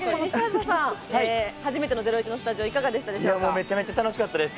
めちゃめちゃ楽しかったです。